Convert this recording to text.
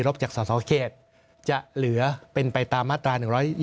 จากสสเขตจะเหลือเป็นไปตามมาตรา๑๒